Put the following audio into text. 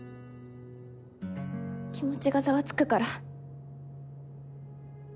気持ちがザワつくから。